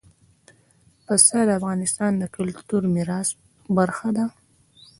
پسه د افغانستان د کلتوري میراث برخه ده.